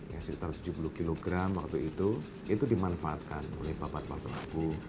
ya sekitar tujuh puluh kg waktu itu itu dimanfaatkan oleh bapak bapak pelaku